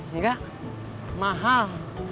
nih kak mahal